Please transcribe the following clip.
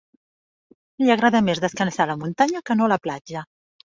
Li agrada més descansar a la muntanya que no a la platja.